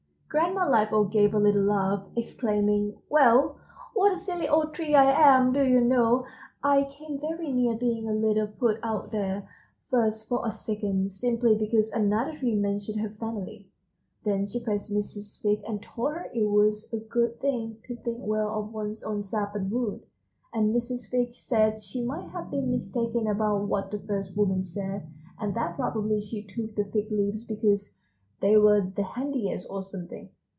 Grandma Liveoak gave a little laugh, exclaiming, "Well, what a silly old tree I am! Do you know, I came very near being a little put out there, just for a second, simply because another tree mentioned her family." Then she praised Mrs. Fig and told her it was a good thing to think well of one's own sap and wood. And Mrs. Fig said she might have been mistaken about what the first woman said, and that probably she took the fig leaves because they were the handiest or something.